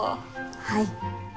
はい。